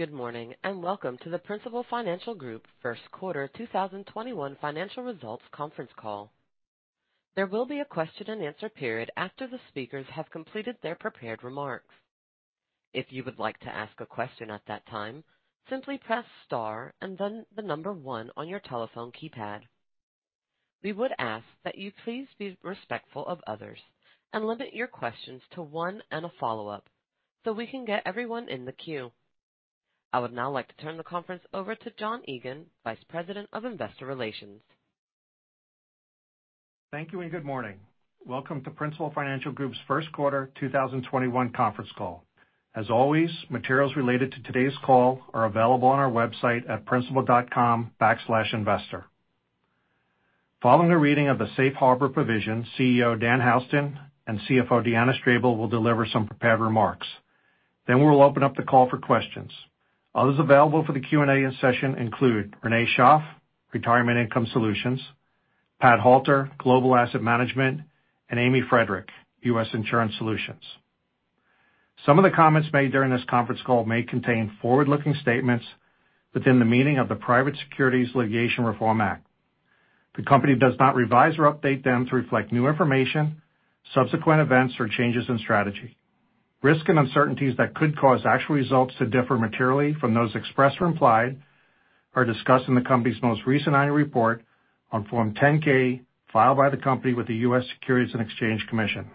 Good morning, and welcome to the Principal Financial Group First Quarter 2021 Financial Results Conference Call. There will be a question-and-answer period after the speakers have completed their prepared remarks. If you would like to ask a question at that time, simply press star and then the number one on your telephone keypad. We would ask that you please be respectful of others and limit your questions to 1 and a follow-up so we can get everyone in the queue. I would now like to turn the conference over to John Egan, Vice President of Investor Relations. Thank you and good morning. Welcome to Principal Financial Group's first quarter 2021 conference call. As always, materials related to today's call are available on our website at principal.com/investor. Following a reading of the safe harbor provision, CEO Dan Houston and CFO Deanna Strable will deliver some prepared remarks. We'll open up the call for questions. Others available for the Q&A session include Renee Schaaf, Retirement and Income Solutions, Pat Halter, Global Asset Management, and Amy Friedrich, U.S. Insurance Solutions. Some of the comments made during this conference call may contain forward-looking statements within the meaning of the Private Securities Litigation Reform Act. The company does not revise or update them to reflect new information, subsequent events, or changes in strategy. Risk and uncertainties that could cause actual results to differ materially from those expressed or implied are discussed in the company's most recent annual report on Form 10-K filed by the company with the U.S. Securities and Exchange Commission.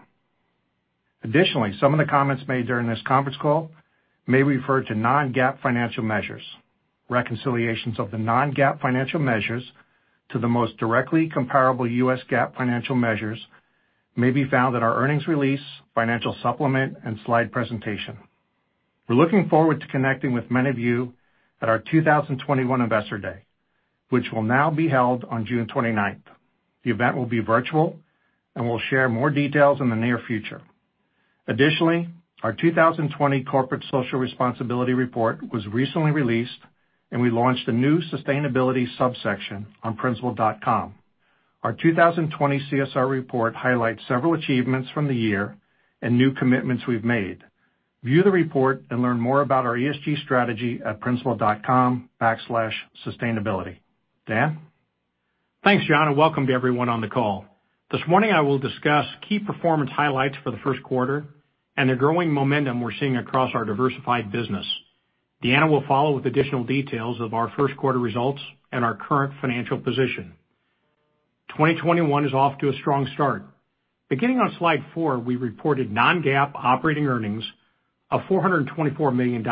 Additionally, some of the comments made during this conference call may refer to non-GAAP financial measures. Reconciliations of the non-GAAP financial measures to the most directly comparable U.S. GAAP financial measures may be found at our earnings release, financial supplement, and slide presentation. We're looking forward to connecting with many of you at our 2021 Investor Day, which will now be held on June 29th. The event will be virtual, and we'll share more details in the near future. Additionally, our 2020 corporate social responsibility report was recently released, and we launched a new sustainability subsection on principal.com. Our 2020 CSR report highlights several achievements from the year and new commitments we've made. View the report and learn more about our ESG strategy at principal.com/sustainability. Dan? Thanks, John. Welcome to everyone on the call. This morning, I will discuss key performance highlights for the first quarter and the growing momentum we're seeing across our diversified business. Deanna will follow with additional details of our first quarter results and our current financial position. 2021 is off to a strong start. Beginning on slide four, we reported non-GAAP operating earnings of $424 million.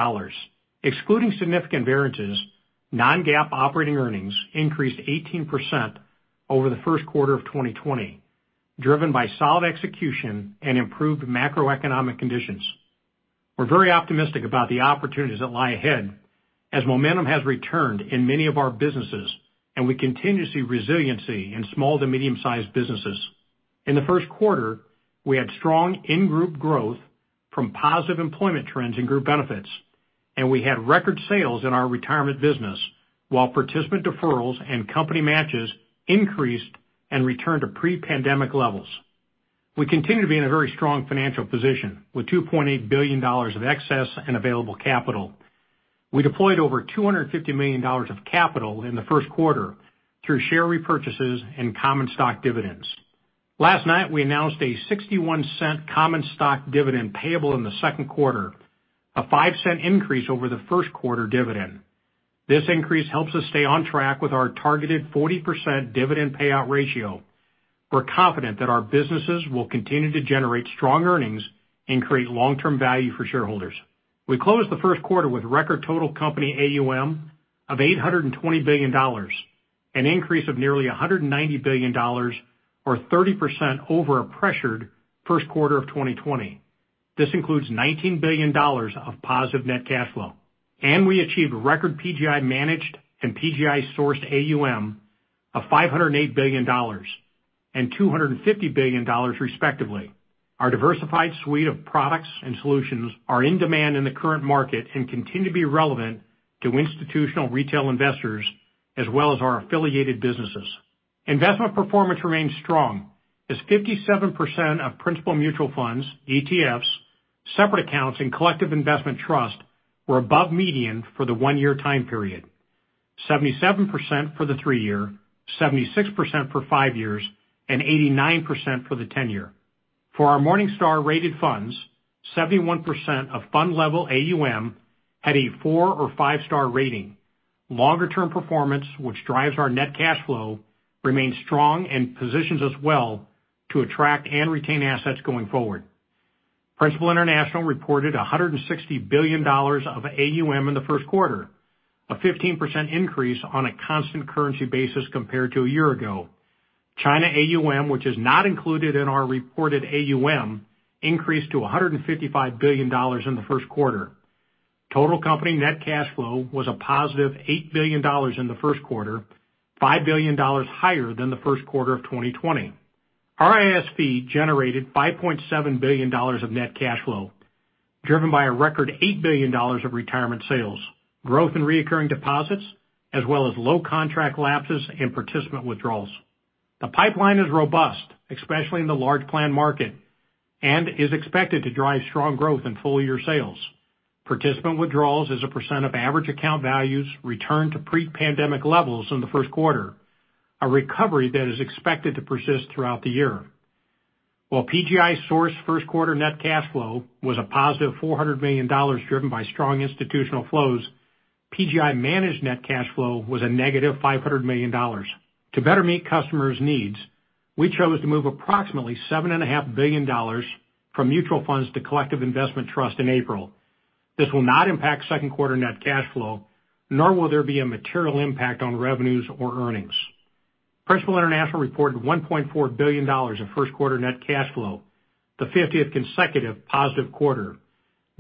Excluding significant variances, non-GAAP operating earnings increased 18% over the first quarter of 2020, driven by solid execution and improved macroeconomic conditions. We're very optimistic about the opportunities that lie ahead as momentum has returned in many of our businesses, and we continue to see resiliency in small to medium-sized businesses. In the first quarter, we had strong in-group growth from positive employment trends in group benefits, and we had record sales in our retirement business while participant deferrals and company matches increased and returned to pre-pandemic levels. We continue to be in a very strong financial position, with $2.8 billion of excess and available capital. We deployed over $250 million of capital in the first quarter through share repurchases and common stock dividends. Last night, we announced a $0.61 common stock dividend payable in the second quarter, a $0.05 increase over the first quarter dividend. This increase helps us stay on track with our targeted 40% dividend payout ratio. We're confident that our businesses will continue to generate strong earnings and create long-term value for shareholders. We closed the first quarter with record total company AUM of $820 billion, an increase of nearly $190 billion, or 30% over a pressured first quarter of 2020. This includes $19 billion of positive net cash flow. We achieved record PGI managed and PGI sourced AUM of $508 billion and $250 billion respectively. Our diversified suite of products and solutions are in demand in the current market and continue to be relevant to institutional retail investors as well as our affiliated businesses. Investment performance remains strong as 57% of Principal Mutual Funds, ETFs, separate accounts, and collective investment trust were above median for the one-year time period, 77% for the three-year, 76% for five-year, and 89% for the 10-year. For our Morningstar rated funds, 71% of fund level AUM had a four or five-star rating. Longer term performance, which drives our net cash flow, remains strong and positions us well to attract and retain assets going forward. Principal International reported $160 billion of AUM in the first quarter, a 15% increase on a constant currency basis compared to a year ago. China AUM, which is not included in our reported AUM, increased to $155 billion in the first quarter. Total company net cash flow was a positive $8 billion in the first quarter, $5 billion higher than the first quarter of 2020. Our RIS-Fee generated $5.7 billion of net cash flow, driven by a record $8 billion of retirement sales, growth in recurring deposits, as well as low contract lapses and participant withdrawals. The pipeline is robust, especially in the large plan market. It is expected to drive strong growth in full-year sales. Participant withdrawals as a percent of average account values returned to pre-pandemic levels in the first quarter, a recovery that is expected to persist throughout the year. While PGI-sourced first quarter net cash flow was a positive $400 million, driven by strong institutional flows, PGI-managed net cash flow was a negative $500 million. To better meet customers' needs, we chose to move approximately $7.5 billion from mutual funds to collective investment trust in April. This will not impact second quarter net cash flow, nor will there be a material impact on revenues or earnings. Principal International reported $1.4 billion of first quarter net cash flow, the 50th consecutive positive quarter,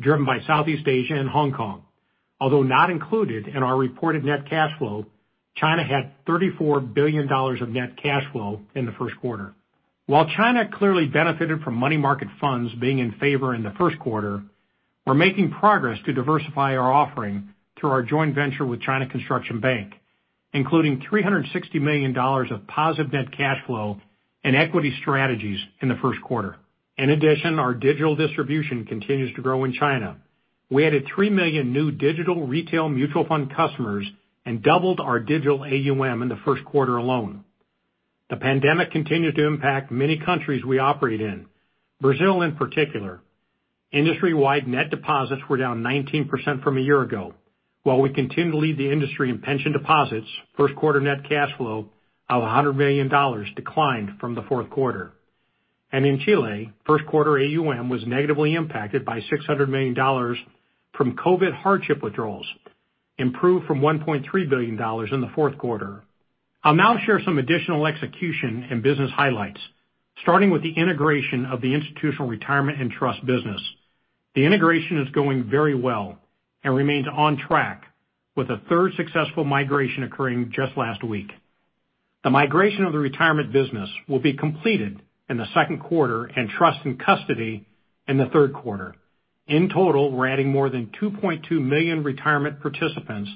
driven by Southeast Asia and Hong Kong. Although not included in our reported net cash flow, China had $34 billion of net cash flow in the first quarter. While China clearly benefited from money market funds being in favor in the first quarter, we're making progress to diversify our offering through our joint venture with China Construction Bank, including $360 million of positive net cash flow and equity strategies in the first quarter. In addition, our digital distribution continues to grow in China. We added three million new digital retail mutual fund customers and doubled our digital AUM in the first quarter alone. The pandemic continues to impact many countries we operate in, Brazil in particular. Industry-wide net deposits were down 19% from a year ago. While we continue to lead the industry in pension deposits, first quarter net cash flow of $100 million declined from the fourth quarter. In Chile, first quarter AUM was negatively impacted by $600 million from COVID hardship withdrawals, improved from $1.3 billion in the fourth quarter. I'll now share some additional execution and business highlights, starting with the integration of the institutional retirement and trust business. The integration is going very well and remains on track with a third successful migration occurring just last week. The migration of the retirement business will be completed in the second quarter, and trust and custody in the third quarter. In total, we're adding more than 2.2 million retirement participants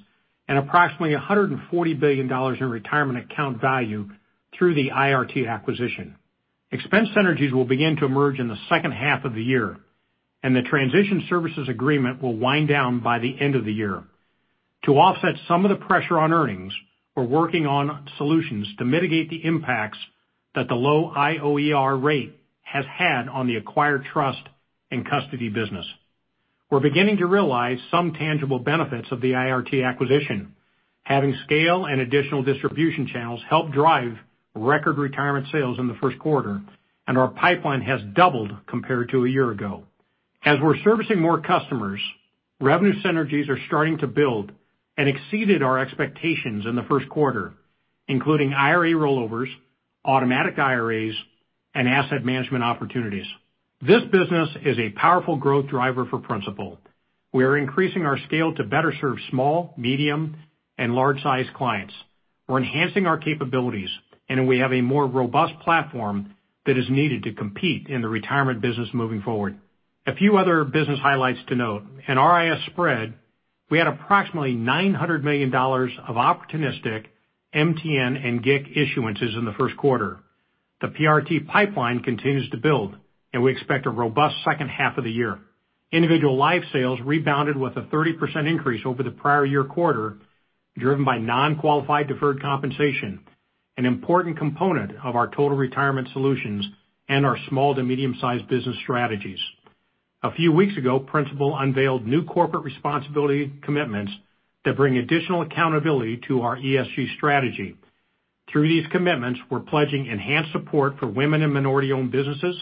and approximately $140 billion in retirement account value through the IRT acquisition. Expense synergies will begin to emerge in the second half of the year, and the transition services agreement will wind down by the end of the year. To offset some of the pressure on earnings, we're working on solutions to mitigate the impacts that the low IOER rate has had on the acquired trust and custody business. We're beginning to realize some tangible benefits of the IRT acquisition. Having scale and additional distribution channels help drive record retirement sales in the first quarter. Our pipeline has doubled compared to a year ago. As we're servicing more customers, revenue synergies are starting to build and exceeded our expectations in the first quarter, including IRA rollovers, automatic IRAs, and asset management opportunities. This business is a powerful growth driver for Principal. We are increasing our scale to better serve small, medium, and large-sized clients. We're enhancing our capabilities. We have a more robust platform that is needed to compete in the retirement business moving forward. A few other business highlights to note. In RIS – Spread, we had approximately $900 million of opportunistic MTN and GIC issuances in the first quarter. The PRT pipeline continues to build. We expect a robust second half of the year. Individual life sales rebounded with a 30% increase over the prior year quarter, driven by non-qualified deferred compensation, an important component of our total retirement solutions and our small to medium-sized business strategies. A few weeks ago, Principal unveiled new corporate responsibility commitments that bring additional accountability to our ESG strategy. Through these commitments, we're pledging enhanced support for women and minority-owned businesses,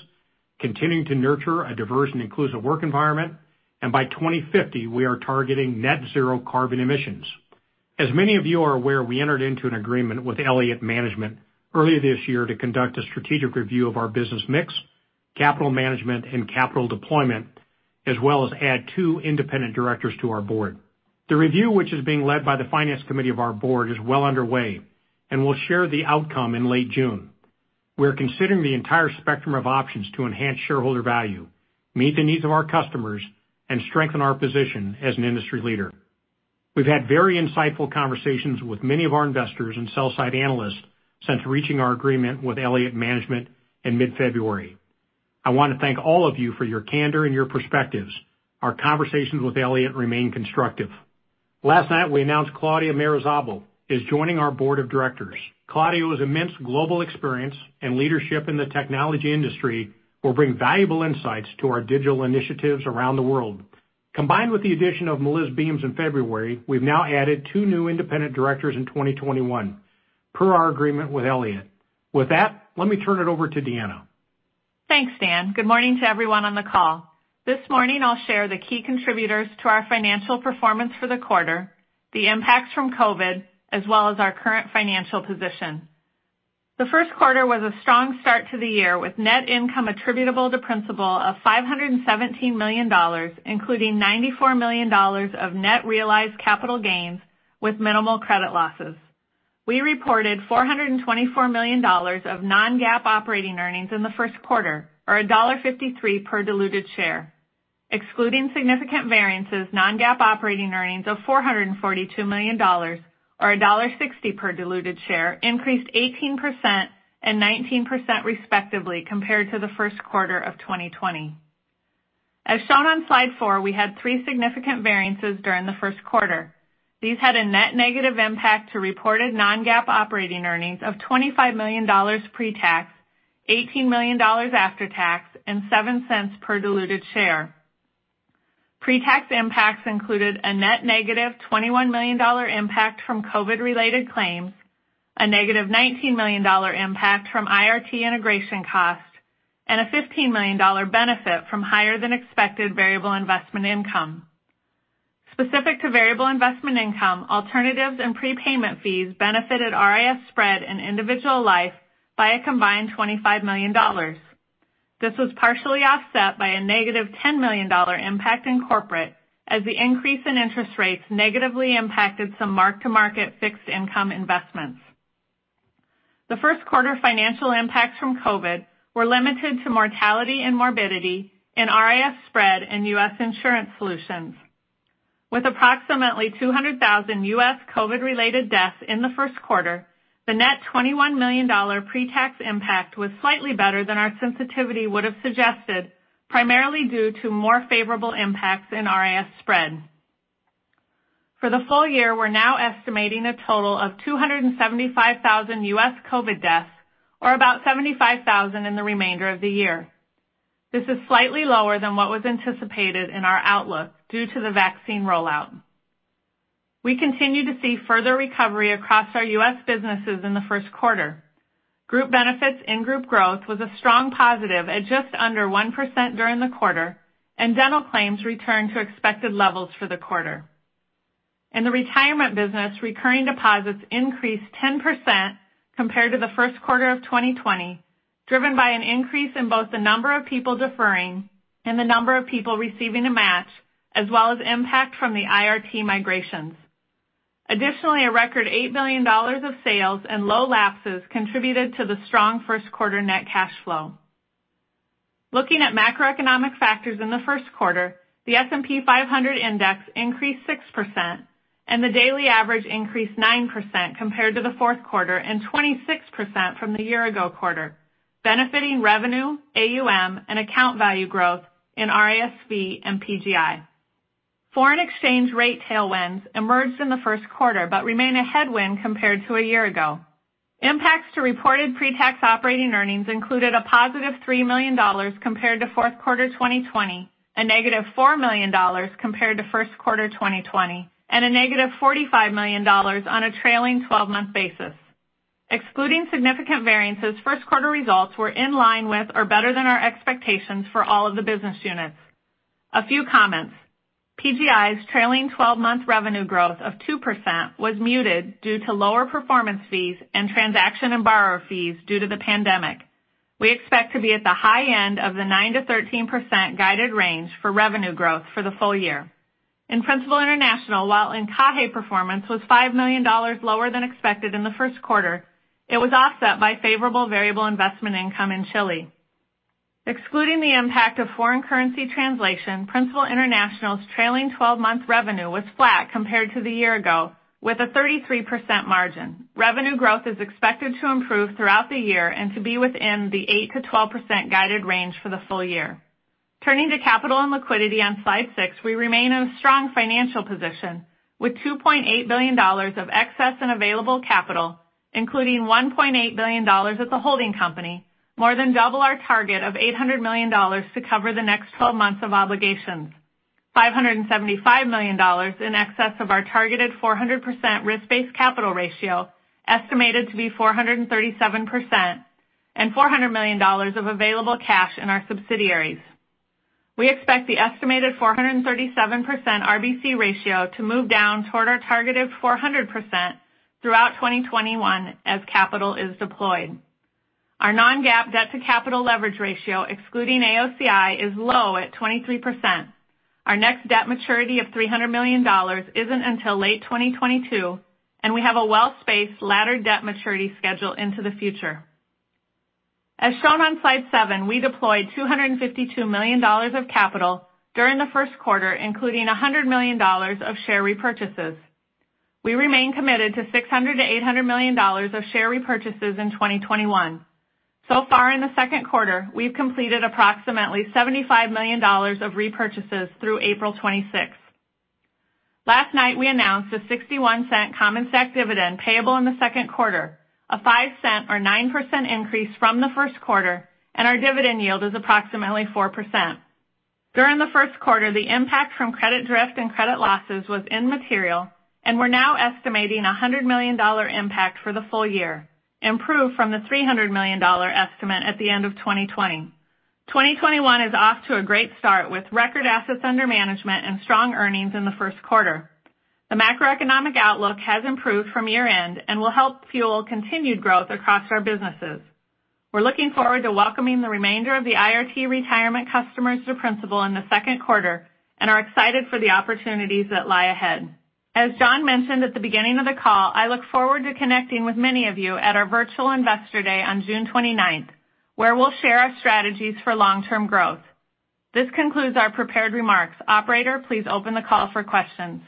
continuing to nurture a diverse and inclusive work environment, and by 2050, we are targeting net zero carbon emissions. As many of you are aware, we entered into an agreement with Elliott Investment Management earlier this year to conduct a strategic review of our business mix, capital management, and capital deployment, as well as add two independent directors to our board. The review, which is being led by the finance committee of our board, is well underway, and we'll share the outcome in late June. We are considering the entire spectrum of options to enhance shareholder value, meet the needs of our customers, and strengthen our position as an industry leader. We've had very insightful conversations with many of our investors and sell-side analysts since reaching our agreement with Elliott Management in mid-February. I want to thank all of you for your candor and your perspectives. Our conversations with Elliott remain constructive. Last night, we announced Claudio Muruzábal is joining our board of directors. Claudio's immense global experience and leadership in the technology industry will bring valuable insights to our digital initiatives around the world. Combined with the addition of Maliz Beams in February, we've now added two new independent directors in 2021 per our agreement with Elliott. With that, let me turn it over to Deanna. Thanks, Dan. Good morning to everyone on the call. This morning, I'll share the key contributors to our financial performance for the quarter, the impacts from COVID, as well as our current financial position. The first quarter was a strong start to the year with net income attributable to Principal of $517 million, including $94 million of net realized capital gains with minimal credit losses. We reported $424 million of non-GAAP operating earnings in the first quarter, or $1.53 per diluted share. Excluding significant variances, non-GAAP operating earnings of $442 million, or $1.60 per diluted share, increased 18% and 19% respectively compared to the first quarter of 2020. As shown on slide four, we had three significant variances during the first quarter. These had a net negative impact to reported non-GAAP operating earnings of $25 million pre-tax, $18 million after tax, and $0.07 per diluted share. Pre-tax impacts included a net negative $21 million impact from COVID related claims, a negative $19 million impact from IRT integration costs, and a $15 million benefit from higher than expected variable investment income. Specific to variable investment income, alternatives and prepayment fees benefited RIS – Spread and Individual Life by a combined $25 million. This was partially offset by a negative $10 million impact in Corporate as the increase in interest rates negatively impacted some mark-to-market fixed income investments. The first quarter financial impacts from COVID were limited to mortality and morbidity in RIS – Spread and U.S. Insurance Solutions. With approximately 200,000 U.S. COVID related deaths in the first quarter, the net $21 million pre-tax impact was slightly better than our sensitivity would've suggested, primarily due to more favorable impacts in RIS – Spread. For the full year, we're now estimating a total of 275,000 U.S. COVID deaths, or about 75,000 in the remainder of the year. This is slightly lower than what was anticipated in our outlook due to the vaccine rollout. We continue to see further recovery across our U.S. businesses in the first quarter. Group benefits in-group growth was a strong positive at just under 1% during the quarter, and dental claims returned to expected levels for the quarter. In the retirement business, recurring deposits increased 10% compared to the first quarter of 2020, driven by an increase in both the number of people deferring and the number of people receiving a match, as well as impact from the IRT migrations. Additionally, a record $8 million of sales and low lapses contributed to the strong first quarter net cash flow. Looking at macroeconomic factors in the first quarter, the S&P 500 index increased 6%, and the daily average increased 9% compared to the fourth quarter, and 26% from the year ago quarter, benefiting revenue, AUM, and account value growth in RISV and PGI. Foreign exchange rate tailwinds emerged in the first quarter, but remain a headwind compared to a year ago. Impacts to reported pre-tax operating earnings included a positive $3 million compared to fourth quarter 2020, a negative $4 million compared to first quarter 2020, and a negative $45 million on a trailing 12-month basis. Excluding significant variances, first quarter results were in line with or better than our expectations for all of the business units. A few comments. PGI's trailing 12-month revenue growth of 2% was muted due to lower performance fees and transaction and borrower fees due to the pandemic. We expect to be at the high end of the 9%-13% guided range for revenue growth for the full year. In Principal International, while Encaje performance was $5 million lower than expected in the first quarter, it was offset by favorable variable investment income in Chile. Excluding the impact of foreign currency translation, Principal International's trailing 12-month revenue was flat compared to the year ago with a 33% margin. Revenue growth is expected to improve throughout the year and to be within the 8%-12% guided range for the full year. Turning to capital and liquidity on slide six, we remain in a strong financial position with $2.8 billion of excess and available capital, including $1.8 billion at the holding company, more than double our target of $800 million to cover the next 12 months of obligations. $575 million in excess of our targeted 400% risk-based capital ratio, estimated to be 437%, and $400 million of available cash in our subsidiaries. We expect the estimated 437% RBC ratio to move down toward our targeted 400% throughout 2021 as capital is deployed. Our non-GAAP debt-to-capital leverage ratio, excluding AOCI, is low at 23%. Our next debt maturity of $300 million isn't until late 2022, and we have a well-spaced laddered debt maturity schedule into the future. As shown on slide seven, we deployed $252 million of capital during the first quarter, including $100 million of share repurchases. We remain committed to $600 million-$800 million of share repurchases in 2021. Far in the second quarter, we've completed approximately $75 million of repurchases through April 26th. Last night, we announced a $0.61 common stock dividend payable in the second quarter, a $0.05 or 9% increase from the first quarter. Our dividend yield is approximately 4%. During the first quarter, the impact from credit drift and credit losses was immaterial. We're now estimating $100 million impact for the full year, improved from the $300 million estimate at the end of 2020. 2021 is off to a great start with record assets under management and strong earnings in the first quarter. The macroeconomic outlook has improved from year-end. Will help fuel continued growth across our businesses. We're looking forward to welcoming the remainder of the IRT retirement customers to Principal in the second quarter and are excited for the opportunities that lie ahead. As John mentioned at the beginning of the call, I look forward to connecting with many of you at our virtual investor day on June 29th, where we'll share our strategies for long-term growth. This concludes our prepared remarks. Operator, please open the call for questions.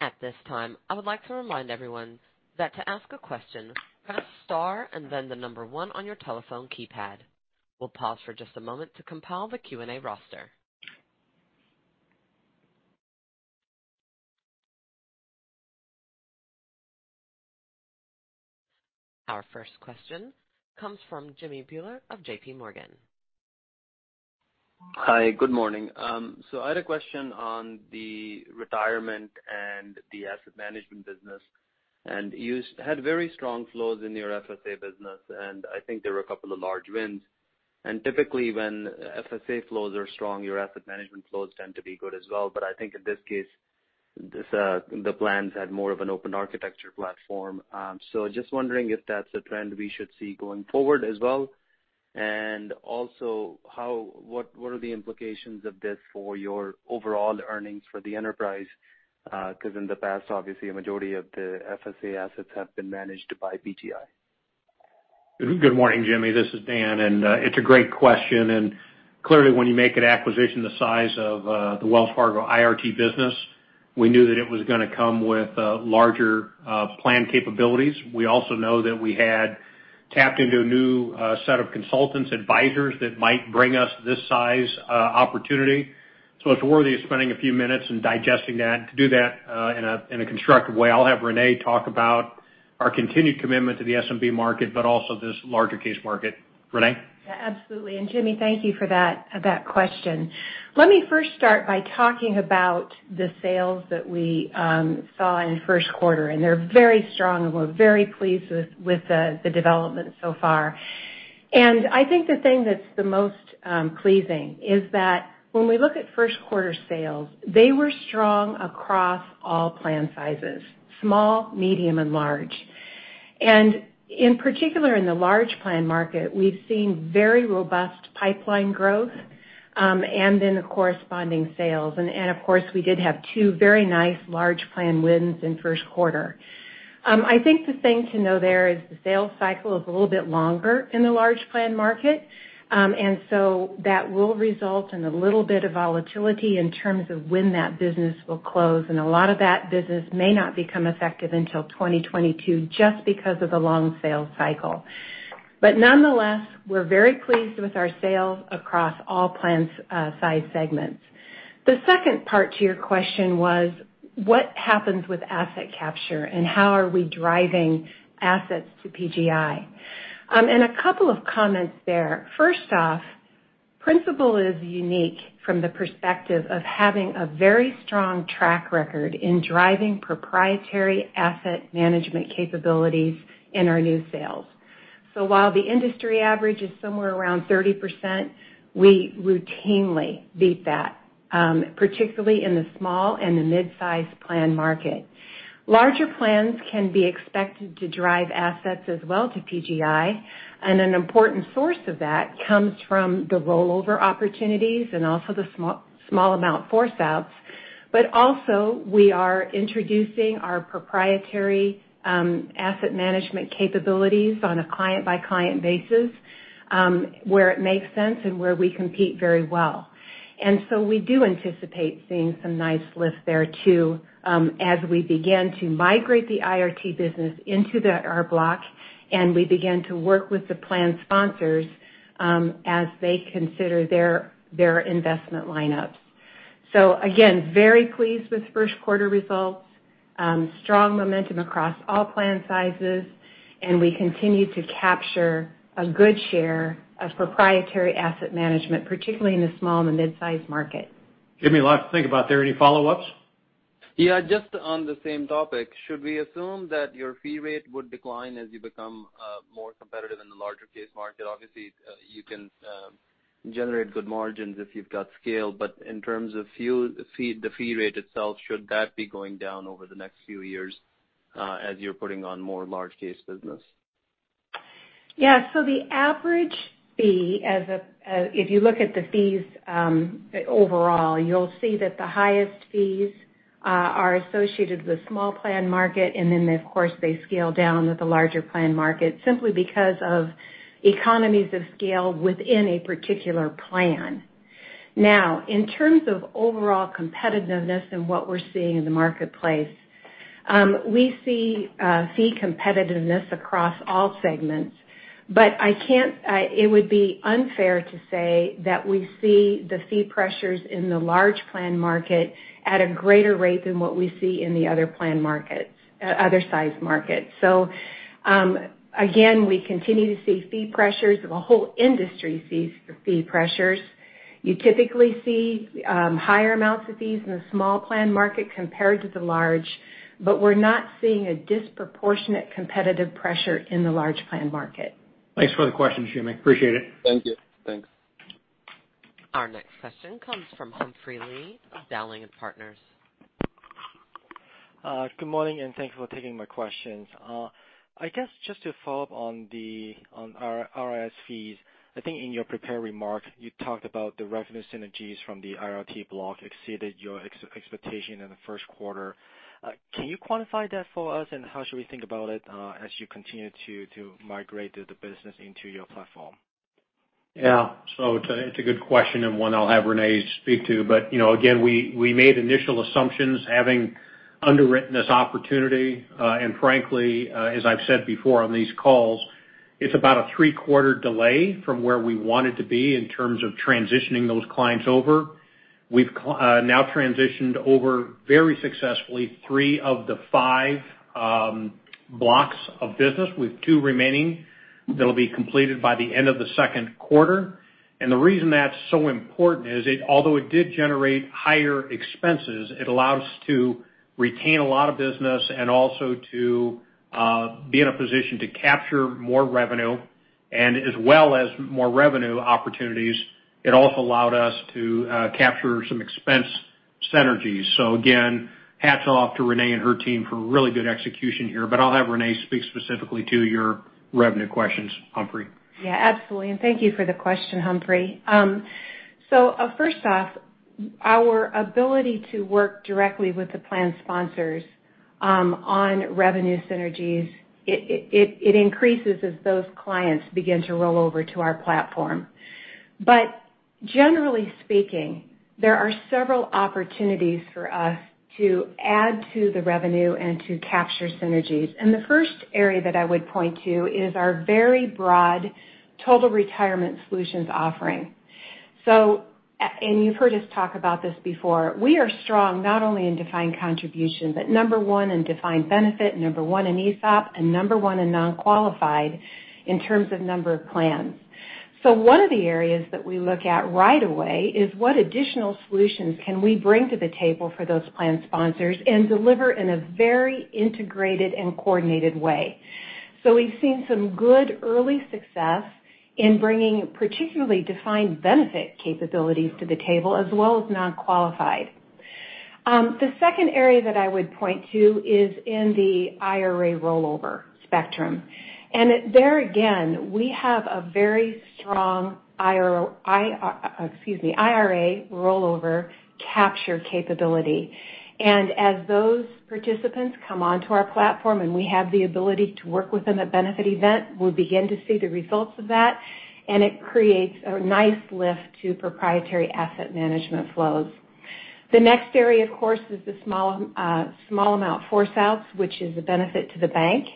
At this time, I would like to remind everyone that to ask a question, press star and then the number one on your telephone keypad. We'll pause for just a moment to compile the Q&A roster. Our first question comes from Jimmy Bhullar of J.P. Morgan. Hi. Good morning. I had a question on the retirement and the asset management business. You had very strong flows in your FSA business. I think there were a couple of large wins. Typically, when FSA flows are strong, your asset management flows tend to be good as well. I think in this case, the plans had more of an open architecture platform. Just wondering if that's a trend we should see going forward as well. Also, what are the implications of this for your overall earnings for the enterprise? Because in the past, obviously a majority of the FSA assets have been managed by PGI. Good morning, Jimmy. This is Dan. It's a great question. Clearly, when you make an acquisition the size of the Wells Fargo IRT business, we knew that it was going to come with larger plan capabilities. We also know that we had tapped into a new set of consultants, advisors that might bring us this size opportunity. It's worthy of spending a few minutes and digesting that. To do that in a constructive way, I'll have Renee talk about our continued commitment to the SMB market, but also this larger case market. Renee? Yeah, absolutely. Jimmy, thank you for that question. Let me first start by talking about the sales that we saw in the first quarter. They're very strong, and we're very pleased with the development so far. I think the thing that's the most pleasing is that when we look at first quarter sales, they were strong across all plan sizes, small, medium, and large. In particular, in the large plan market, we've seen very robust pipeline growth, and the corresponding sales. Of course, we did have two very nice large plan wins in the first quarter. I think the thing to know there is the sales cycle is a little bit longer in the large plan market. That will result in a little bit of volatility in terms of when that business will close. A lot of that business may not become effective until 2022, just because of the long sales cycle. Nonetheless, we're very pleased with our sales across all plan size segments. The second part to your question was, what happens with asset capture and how are we driving assets to PGI? A couple of comments there. First off, Principal is unique from the perspective of having a very strong track record in driving proprietary asset management capabilities in our new sales. While the industry average is somewhere around 30%, we routinely beat that, particularly in the small and the mid-size plan market. Larger plans can be expected to drive assets as well to PGI, and an important source of that comes from the rollover opportunities and also the small amount force outs. Also, we are introducing our proprietary asset management capabilities on a client-by-client basis, where it makes sense and where we compete very well. We do anticipate seeing some nice lift there, too, as we begin to migrate the IRT business into our block and we begin to work with the plan sponsors as they consider their investment lineups. Again, very pleased with first quarter results, strong momentum across all plan sizes, and we continue to capture a good share of proprietary asset management, particularly in the small and the mid-size market. Jimmy, a lot to think about there. Any follow-ups? Yeah, just on the same topic. Should we assume that your fee rate would decline as you become more competitive in the larger case market? Obviously, you can generate good margins if you've got scale, but in terms of the fee rate itself, should that be going down over the next few years, as you're putting on more large case business? The average fee, if you look at the fees overall, you'll see that the highest fees are associated with the small plan market, of course, they scale down with the larger plan market simply because of economies of scale within a particular plan. In terms of overall competitiveness and what we're seeing in the marketplace, we see fee competitiveness across all segments. It would be unfair to say that we see the fee pressures in the large plan market at a greater rate than what we see in the other size markets. Again, we continue to see fee pressures. The whole industry sees fee pressures. You typically see higher amounts of fees in the small plan market compared to the large, we're not seeing a disproportionate competitive pressure in the large plan market. Thanks for the question, Jimmy. Appreciate it. Thank you. Thanks. Our next question comes from Humphrey Lee of Dowling & Partners. Good morning, and thanks for taking my questions. I guess just to follow up on our RIS-Fee, I think in your prepared remark, you talked about the revenue synergies from the IRT block exceeded your expectation in the first quarter. Can you quantify that for us? How should we think about it as you continue to migrate the business into your platform? Yeah. It's a good question, and one I'll have Renee speak to. Again, we made initial assumptions having underwritten this opportunity. Frankly, as I've said before on these calls, it's about a three-quarter delay from where we wanted to be in terms of transitioning those clients over. We've now transitioned over very successfully three of the five blocks of business, with two remaining that'll be completed by the end of the second quarter. The reason that's so important is although it did generate higher expenses, it allowed us to retain a lot of business and also to be in a position to capture more revenue. As well as more revenue opportunities, it also allowed us to capture some expense synergies. Again, hats off to Renee and her team for really good execution here. I'll have Renee speak specifically to your revenue questions, Humphrey. Yeah, absolutely. Thank you for the question, Humphrey. First off, our ability to work directly with the plan sponsors on revenue synergies, it increases as those clients begin to roll over to our platform. Generally speaking, there are several opportunities for us to add to the revenue and to capture synergies. The first area that I would point to is our very broad Total Retirement Solutions offering. You've heard us talk about this before, we are strong not only in defined contribution, but number one in defined benefit, number one in ESOP, and number one in non-qualified in terms of number of plans. One of the areas that we look at right away is what additional solutions can we bring to the table for those plan sponsors and deliver in a very integrated and coordinated way. We've seen some good early success in bringing particularly defined benefit capabilities to the table as well as non-qualified. The second area that I would point to is in the IRA rollover spectrum. There again, we have a very strong IRA rollover capture capability. As those participants come onto our platform and we have the ability to work with them at benefit event, we'll begin to see the results of that, and it creates a nice lift to proprietary asset management flows. The next area, of course, is the small amount force outs, which is a benefit to the bank.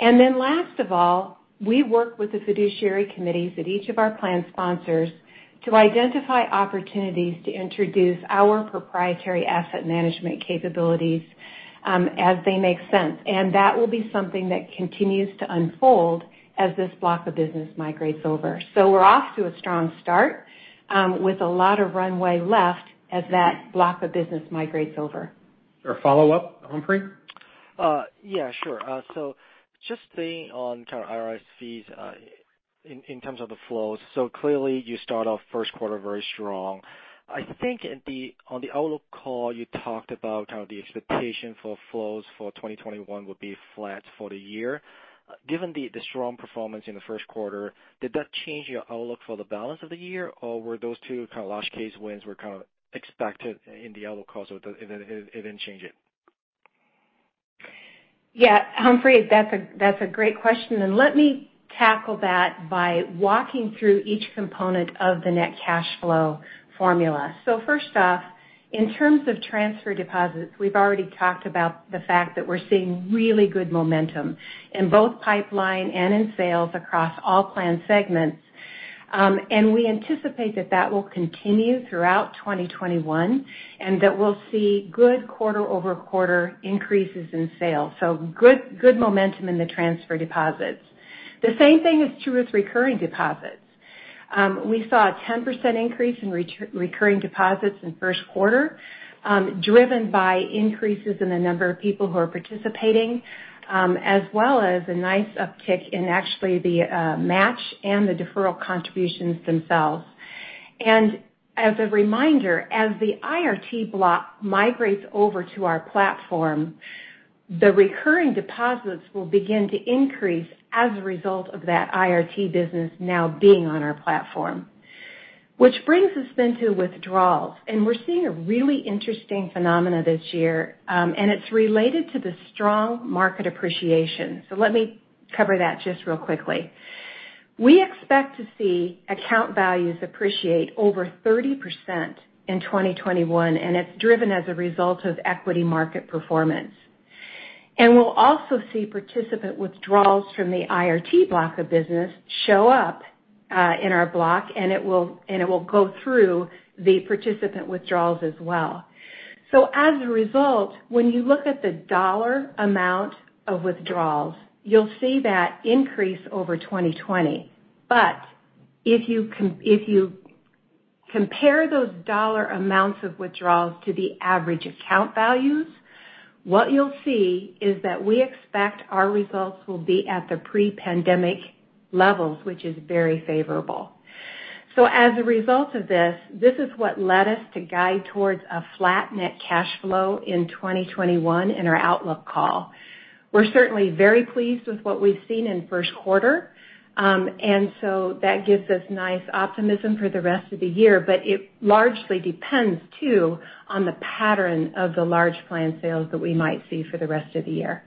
Last of all, we work with the fiduciary committees at each of our plan sponsors to identify opportunities to introduce our proprietary asset management capabilities as they make sense. That will be something that continues to unfold as this block of business migrates over. We're off to a strong start with a lot of runway left as that block of business migrates over. A follow-up, Humphrey? Yeah, sure. Just staying on kind of RIS-Fee in terms of the flows. Clearly, you start off first quarter very strong. I think on the outlook call, you talked about how the expectation for flows for 2021 would be flat for the year. Given the strong performance in the first quarter, did that change your outlook for the balance of the year, or were those two kind of large case wins kind of expected in the outlook call, so it didn't change it? Yeah, Humphrey, that's a great question, and let me tackle that by walking through each component of the net cash flow formula. First off, in terms of transfer deposits, we've already talked about the fact that we're seeing really good momentum in both pipeline and in sales across all plan segments. We anticipate that that will continue throughout 2021, and that we'll see good quarter-over-quarter increases in sales. Good momentum in the transfer deposits. The same thing is true with recurring deposits. We saw a 10% increase in recurring deposits in first quarter, driven by increases in the number of people who are participating, as well as a nice uptick in actually the match and the deferral contributions themselves. As a reminder, as the IRT block migrates over to our platform, the recurring deposits will begin to increase as a result of that IRT business now being on our platform. Which brings us then to withdrawals, and we're seeing a really interesting phenomena this year, and it's related to the strong market appreciation. Let me cover that just real quickly. We expect to see account values appreciate over 30% in 2021, and it's driven as a result of equity market performance. We'll also see participant withdrawals from the IRT block of business show up in our block, and it will go through the participant withdrawals as well. As a result, when you look at the dollar amount of withdrawals, you'll see that increase over 2020. If you compare those dollar amounts of withdrawals to the average account values, what you'll see is that we expect our results will be at the pre-pandemic levels, which is very favorable. As a result of this is what led us to guide towards a flat net cash flow in 2021 in our outlook call. We're certainly very pleased with what we've seen in first quarter. That gives us nice optimism for the rest of the year. It largely depends too, on the pattern of the large plan sales that we might see for the rest of the year.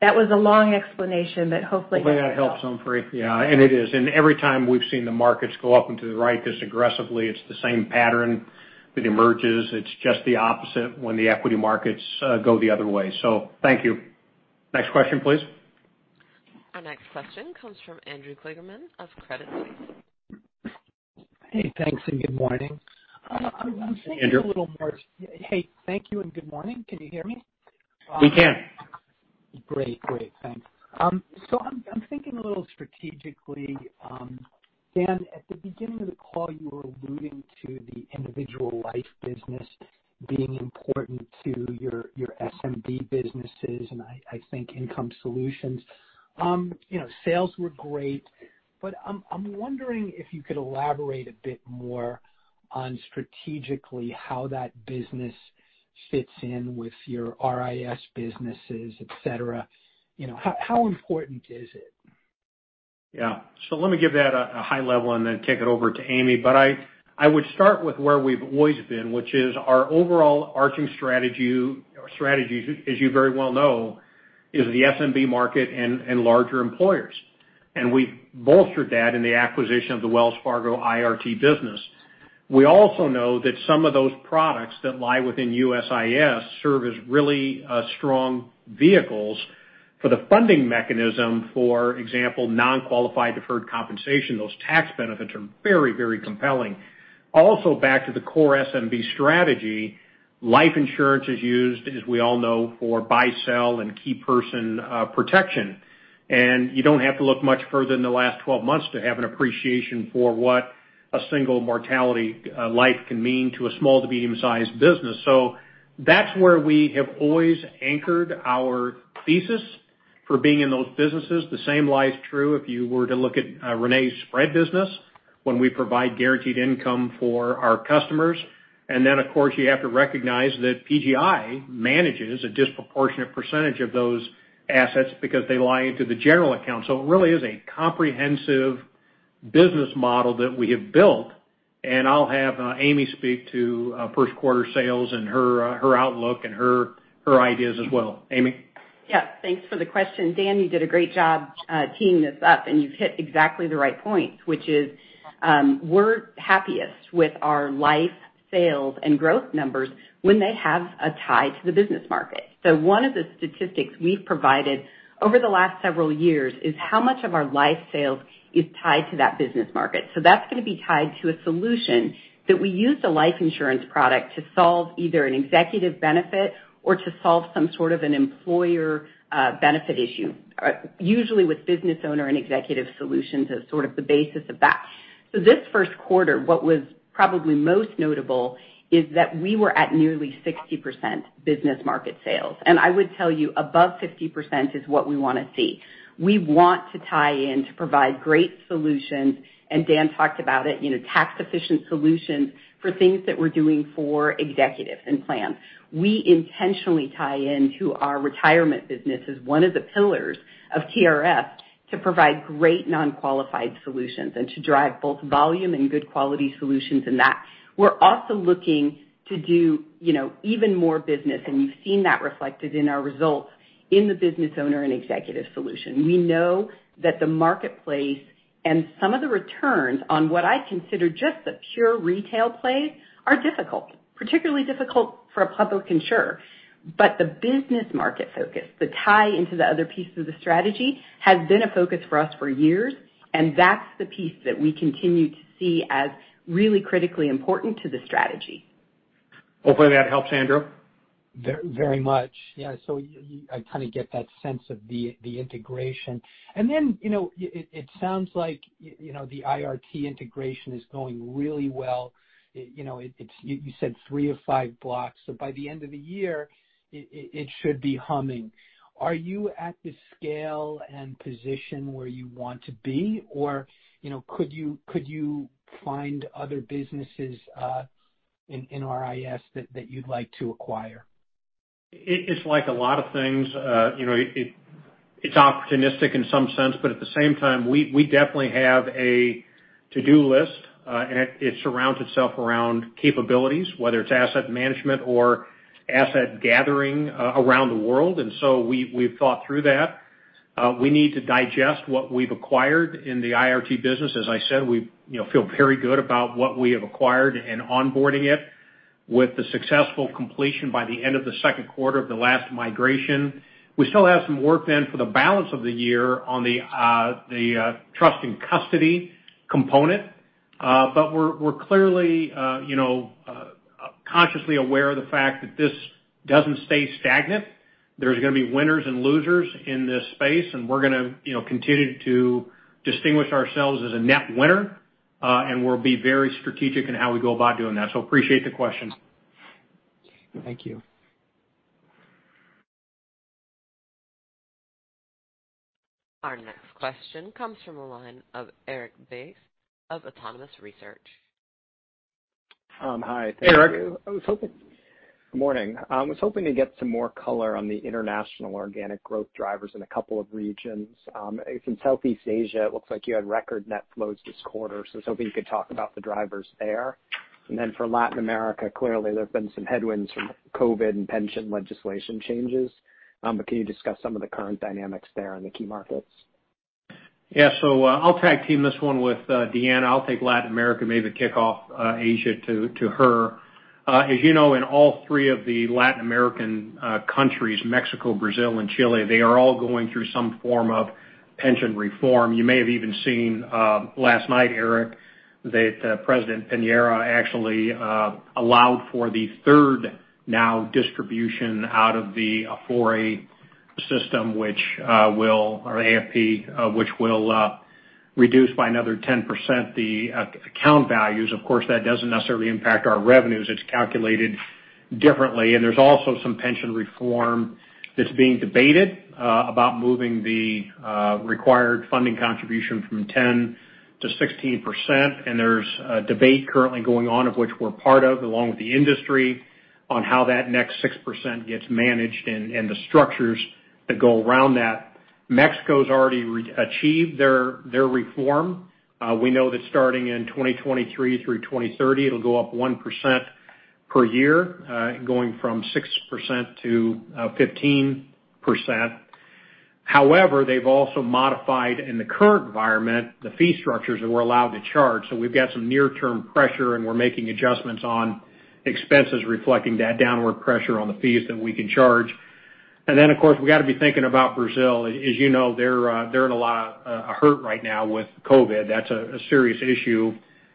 That was a long explanation, but hopefully that helps. Hopefully that helps, Humphrey. Yeah, it is. Every time we've seen the markets go up and to the right this aggressively, it's the same pattern that emerges. It's just the opposite when the equity markets go the other way. Thank you. Next question, please. Our next question comes from Andrew Kligerman of Credit Suisse. Hey, thanks and good morning. Andrew. Hey, thank you and good morning. Can you hear me? We can. Great. Thanks. I'm thinking a little strategically. Dan, at the beginning of the call, you were alluding to the individual life business being important to your SMB businesses and I think income solutions. Sales were great. I'm wondering if you could elaborate a bit more on strategically how that business fits in with your RIS businesses, et cetera. How important is it? Yeah. Let me give that a high level and then kick it over to Amy. I would start with where we've always been, which is our overall arching strategy, as you very well know, is the SMB market and larger employers. We bolstered that in the acquisition of the Wells Fargo IRT business. We also know that some of those products that lie within USIS serve as really strong vehicles for the funding mechanism, for example, non-qualified deferred compensation. Those tax benefits are very compelling. Back to the core SMB strategy, life insurance is used, as we all know, for buy-sell and key person protection. You don't have to look much further than the last 12 months to have an appreciation for what a single mortality life can mean to a small to medium-sized business. That's where we have always anchored our thesis for being in those businesses. The same lies true if you were to look at Renee's spread business when we provide guaranteed income for our customers. Of course, you have to recognize that PGI manages a disproportionate percentage of those assets because they lie into the general account. It really is a comprehensive business model that we have built, and I'll have Amy speak to first quarter sales and her outlook and her ideas as well. Amy? Yeah, thanks for the question. Dan, you did a great job teeing this up, and you've hit exactly the right points, which is we're happiest with our life sales and growth numbers when they have a tie to the business market. One of the statistics we've provided over the last several years is how much of our life sales is tied to that business market. That's going to be tied to a solution that we use the life insurance product to solve either an executive benefit or to solve some sort of an employer benefit issue, usually with business owner and executive solutions as sort of the basis of that. This first quarter, what was probably most notable is that we were at nearly 60% business market sales. I would tell you above 50% is what we want to see. We want to tie in to provide great solutions. Dan talked about it, tax efficient solutions for things that we're doing for executives and plans. We intentionally tie into our retirement business as one of the pillars of TRS to provide great non-qualified solutions and to drive both volume and good quality solutions in that. We're also looking to do even more business. You've seen that reflected in our results in the business owner and executive solution. We know that the marketplace and some of the returns on what I consider just the pure retail plays are difficult, particularly difficult for a public insurer. The business market focus, the tie into the other pieces of the strategy, has been a focus for us for years. That's the piece that we continue to see as really critically important to the strategy. Hopefully that helps, Andrew. Very much. Yeah. I kind of get that sense of the integration. It sounds like the IRT integration is going really well. You said three of five blocks, so by the end of the year it should be humming. Are you at the scale and position where you want to be? Could you find other businesses in RIS that you'd like to acquire? It's like a lot of things. It's opportunistic in some sense. At the same time, we definitely have a to-do list. It surrounds itself around capabilities, whether it's asset management or asset gathering around the world. We've thought through that. We need to digest what we've acquired in the IRT business. As I said, we feel very good about what we have acquired and onboarding it with the successful completion by the end of the second quarter of the last migration. We still have some work for the balance of the year on the trust and custody component. We're clearly consciously aware of the fact that this doesn't stay stagnant. There's going to be winners and losers in this space. We're going to continue to distinguish ourselves as a net winner. We'll be very strategic in how we go about doing that. Appreciate the question. Thank you. Our next question comes from the line of Erik Bass of Autonomous Research. Hi. Thank you. Hey, Erik. Good morning. I was hoping to get some more color on the international organic growth drivers in a couple of regions. In Southeast Asia, it looks like you had record net flows this quarter. I was hoping you could talk about the drivers there. For Latin America, clearly, there've been some headwinds from COVID and pension legislation changes. Can you discuss some of the current dynamics there in the key markets? Yeah. I'll tag team this one with Deanna. I'll take Latin America, maybe kick off Asia to her. As you know, in all three of the Latin American countries, Mexico, Brazil, and Chile, they are all going through some form of pension reform. You may have even seen, last night, Erik, that President Piñera actually allowed for the third now distribution out of the Afore system, or AFP, which will reduce by another 10% the account values. Of course, that doesn't necessarily impact our revenues. It's calculated differently. There's also some pension reform that's being debated about moving the required funding contribution from 10 to 16%. There's a debate currently going on, of which we're part of, along with the industry, on how that next 6% gets managed and the structures that go around that. Mexico's already achieved their reform. We know that starting in 2023 through 2030, it'll go up 1% per year, going from 6% to 15%. They've also modified in the current environment the fee structures that we're allowed to charge. We've got some near-term pressure, and we're making adjustments on expenses reflecting that downward pressure on the fees that we can charge. Of course, we got to be thinking about Brazil. As you know, they're in a lot of hurt right now with COVID. That's a serious issue.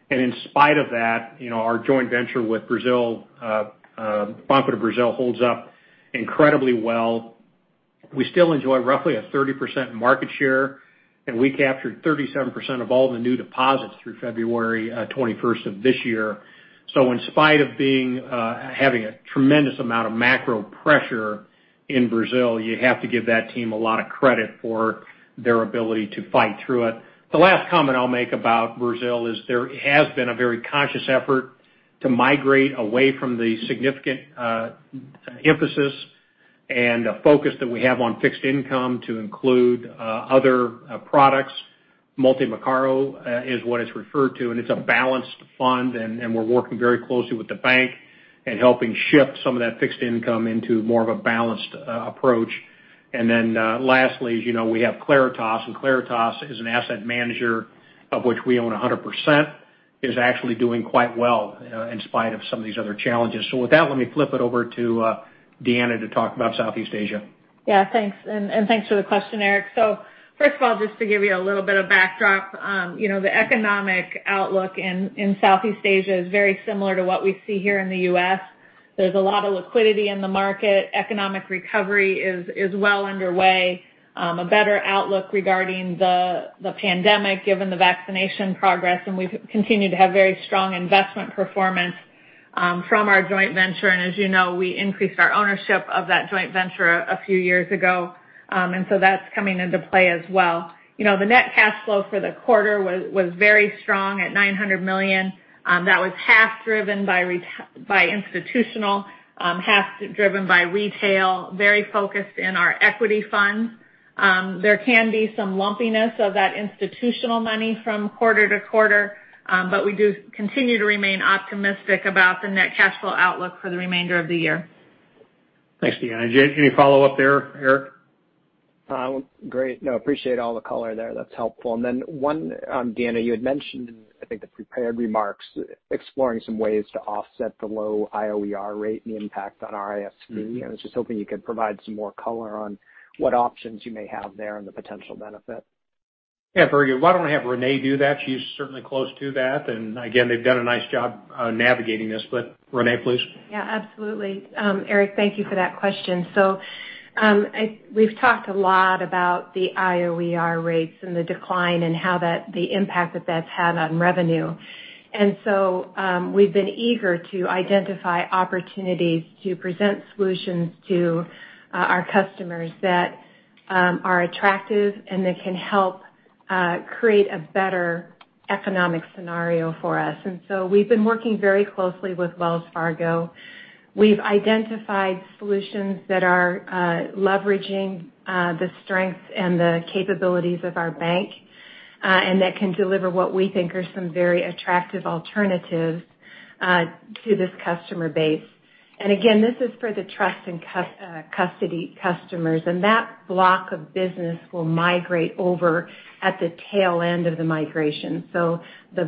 In spite of that, our joint venture with Banco do Brasil holds up incredibly well. We still enjoy roughly a 30% market share, and we captured 37% of all the new deposits through February 21st of this year. In spite of having a tremendous amount of macro pressure in Brazil, you have to give that team a lot of credit for their ability to fight through it. The last comment I'll make about Brazil is there has been a very conscious effort to migrate away from the significant emphasis and focus that we have on fixed income to include other products. Multimercado is what it's referred to, and it's a balanced fund, and we're working very closely with the bank and helping shift some of that fixed income into more of a balanced approach. Lastly, as you know, we have Claritas, and Claritas is an asset manager of which we own 100%, is actually doing quite well in spite of some of these other challenges. With that, let me flip it over to Deanna to talk about Southeast Asia. Yeah, thanks. Thanks for the question, Erik. First of all, just to give you a little bit of backdrop. The economic outlook in Southeast Asia is very similar to what we see here in the U.S. There's a lot of liquidity in the market. Economic recovery is well underway. A better outlook regarding the pandemic, given the vaccination progress, and we've continued to have very strong investment performance from our joint venture. As you know, we increased our ownership of that joint venture a few years ago. That's coming into play as well. The net cash flow for the quarter was very strong at $900 million. That was half driven by institutional, half driven by retail, very focused in our equity funds. There can be some lumpiness of that institutional money from quarter to quarter. We do continue to remain optimistic about the net cash flow outlook for the remainder of the year. Thanks, Deanna. Any follow-up there, Erik? Great. No, appreciate all the color there. That's helpful. Then one, Deanna, you had mentioned, I think the prepared remarks, exploring some ways to offset the low IOER rate and the impact on our RIS-Fee. I was just hoping you could provide some more color on what options you may have there and the potential benefit. Yeah, very good. Why don't I have Renee do that? She's certainly close to that. Again, they've done a nice job navigating this. Renee, please. Yeah, absolutely. Erik, thank you for that question. We've talked a lot about the IOER rates and the decline and the impact that's had on revenue. We've been eager to identify opportunities to present solutions to our customers that are attractive and that can help create a better economic scenario for us. We've been working very closely with Wells Fargo. We've identified solutions that are leveraging the strengths and the capabilities of our bank, and that can deliver what we think are some very attractive alternatives to this customer base. Again, this is for the trust and custody customers, and that block of business will migrate over at the tail end of the migration. The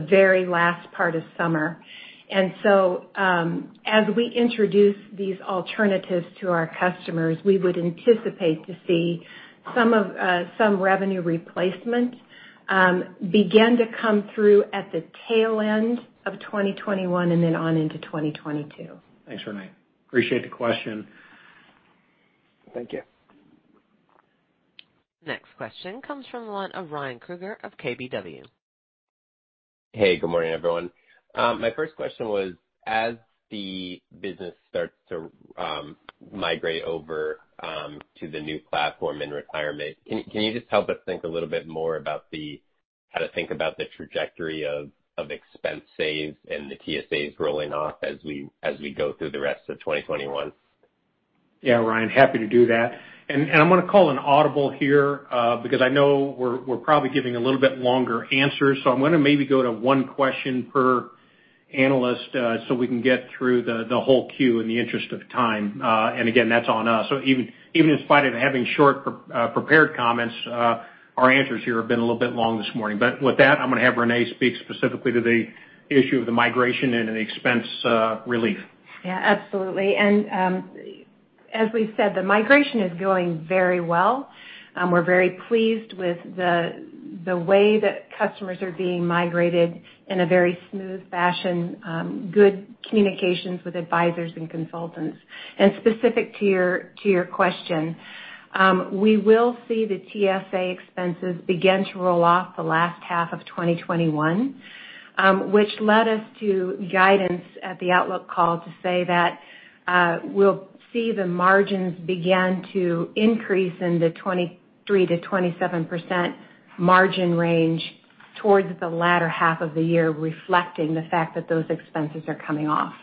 very last part is summer. As we introduce these alternatives to our customers, we would anticipate to see some revenue replacement begin to come through at the tail end of 2021 and then on into 2022. Thanks, Renee. Appreciate the question. Thank you. Next question comes from the line of Ryan Krueger of KBW. Hey, good morning, everyone. My first question was, as the business starts to migrate over to the new platform in Retirement, can you just help us think a little bit more about how to think about the trajectory of expense saves and the TSAs rolling off as we go through the rest of 2021? Yeah, Ryan Krueger, happy to do that. I'm going to call an audible here because I know we're probably giving a little bit longer answers, so I'm going to maybe go to one question per analyst so we can get through the whole queue in the interest of time. Again, that's on us. Even in spite of having short prepared comments, our answers here have been a little bit long this morning. With that, I'm going to have Renee Schaaf speak specifically to the issue of the migration and the expense relief. Yeah, absolutely. As we've said, the migration is going very well. We're very pleased with the way that customers are being migrated in a very smooth fashion, good communications with advisors and consultants. Specific to your question, we will see the TSA expenses begin to roll off the last half of 2021, which led us to guidance at the outlook call to say that we'll see the margins begin to increase in the 23%-27% margin range towards the latter half of the year, reflecting the fact that those expenses are coming off.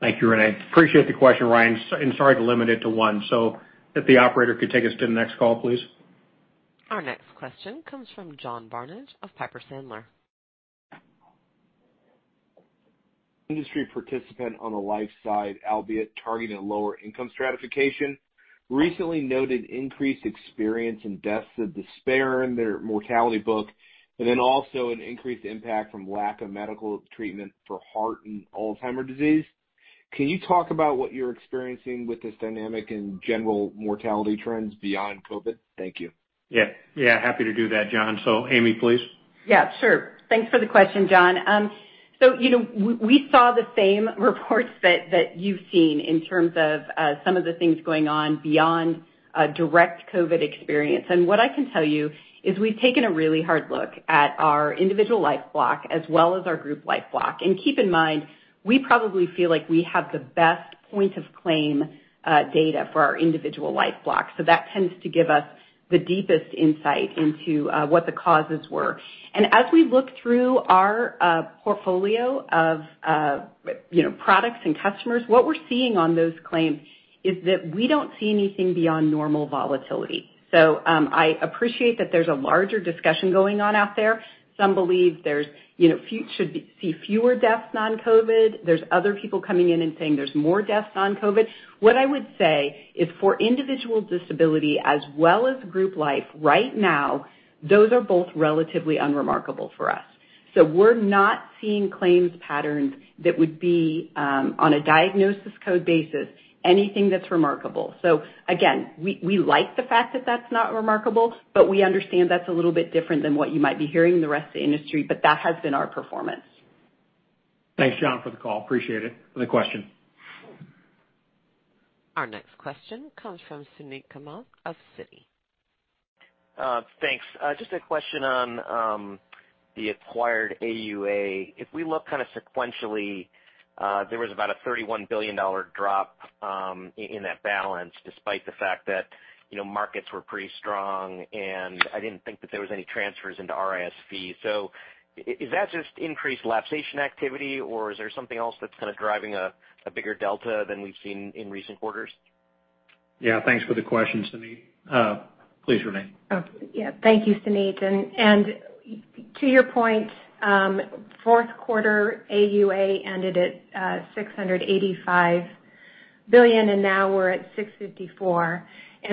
Thank you, Renee. Appreciate the question, Ryan, and sorry to limit it to one. If the operator could take us to the next call, please. Our next question comes from John Barnidge of Piper Sandler. Industry participant on the life side, albeit targeting a lower income stratification, recently noted increased experience in deaths of despair in their mortality book, and then also an increased impact from lack of medical treatment for heart and Alzheimer's disease. Can you talk about what you're experiencing with this dynamic in general mortality trends beyond COVID? Thank you. Yeah. Happy to do that, John. Amy, please. Yeah, sure. Thanks for the question, John. We saw the same reports that you've seen in terms of some of the things going on beyond a direct COVID experience. What I can tell you is we've taken a really hard look at our individual life block as well as our group life block. Keep in mind, we probably feel like we have the best point of claim data for our individual life block. That tends to give us the deepest insight into what the causes were. As we look through our portfolio of products and customers, what we're seeing on those claims is that we don't see anything beyond normal volatility. I appreciate that there's a larger discussion going on out there. Some believe should see fewer deaths non-COVID. There's other people coming in and saying there's more deaths non-COVID. What I would say is for individual disability as well as group life right now, those are both relatively unremarkable for us. We're not seeing claims patterns that would be on a diagnosis code basis, anything that's remarkable. Again, we like the fact that that's not remarkable, but we understand that's a little bit different than what you might be hearing in the rest of the industry. That has been our performance. Thanks, John, for the call. Appreciate it, for the question. Our next question comes from Suneet Kamath of Citi. Thanks. Just a question on the acquired AUA. If we look kind of sequentially, there was about a $31 billion drop in that balance despite the fact that markets were pretty strong, and I didn't think that there was any transfers into RASV. Is that just increased lapsation activity or is there something else that's kind of driving a bigger delta than we've seen in recent quarters? Yeah. Thanks for the question, Suneet. Please, Renee. Thank you, Suneet. To your point, fourth quarter AUA ended at $685 billion, now we're at $654 billion.